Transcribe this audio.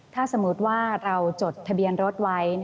ถ้าสมมุติว่าเราจดทะเบียนรถไว้